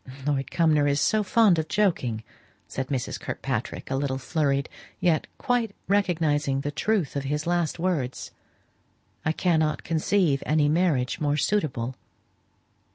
"Lord Cumnor is so fond of joking," said Mrs. Kirkpatrick, a little flurried, yet quite recognizing the truth of his last words, "I cannot conceive any marriage more suitable."